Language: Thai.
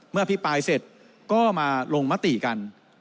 อภิปรายเสร็จก็มาลงมติกัน